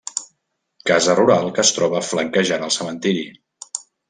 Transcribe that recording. Casa rural que es troba flanquejant el cementiri.